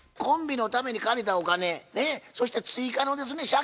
コンビのために借りたお金そして追加のですね